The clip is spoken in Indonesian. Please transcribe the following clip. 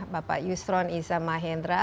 bapak yusron isamahendra